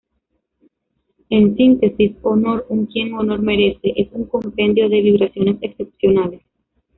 En síntesis, "Honor un Quien Honor Merece", es un compendio de vibraciones excepcionales.